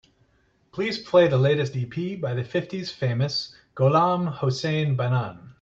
Please play the latest ep by the fifties famous Gholam Hossein Banan.